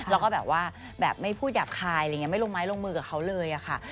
แล้วก็แบบว่าแบบไม่พูดหยาบคายอะไรอย่างนี้ไม่ลงไม้ลงมือกับเขาเลยอะค่ะ